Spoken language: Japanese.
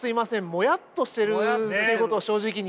モヤっとしてるってことを正直に。